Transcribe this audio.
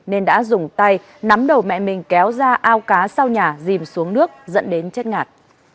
nên đã dùng tay nắm đầu mẹ mình kéo ra ao cá sau nhà dìm xuống nước dẫn đến chết ngạt